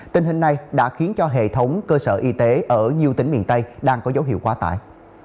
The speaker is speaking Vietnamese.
tình hình này đã khiến cho hệ thống cơ sở y tế ở nhiều tỉnh miền tây đang có dấu hiệu quá tải